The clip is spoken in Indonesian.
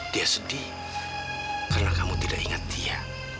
dia sedih karena kamu tidak ingat dia